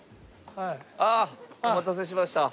ああお待たせしました。